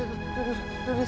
ini duit siapa nih